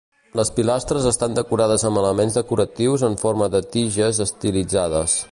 Les pilastres estan decorades amb elements decoratius en forma de tiges estilitzades.